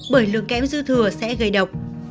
bởi lượng kém dư thừa sẽ gây độc